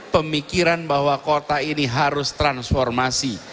pemikiran bahwa kota ini harus transformasi